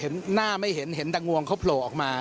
หน้าไม่เห็นเห็นตะงวงเขาโผล่ออกมา